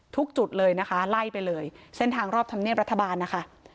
จุดเลยนะคะไล่ไปเลยเส้นทางรอบธรรมเนียบรัฐบาลนะคะ